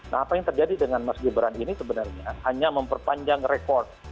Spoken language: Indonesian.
nah apa yang terjadi dengan mas gibran ini sebenarnya hanya memperpanjang rekor